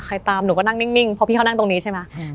ตามหนูก็นั่งนิ่งเพราะพี่เขานั่งตรงนี้ใช่ไหม